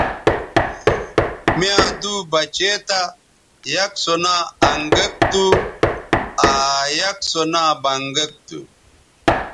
می یاں دُو بچے تھا یک سو نا انگک تھو آ یک سو نا بنگک تھو